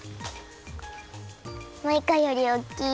マイカよりおっきい！